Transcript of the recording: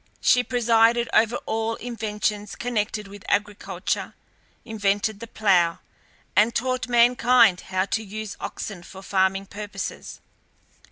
She presided over all inventions connected with agriculture, invented the plough, and taught mankind how to use oxen for farming purposes.